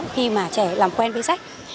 khi mà trẻ làm quen với sách